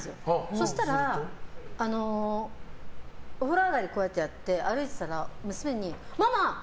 そしたら、お風呂上がりやって歩いてたら娘に、ママ！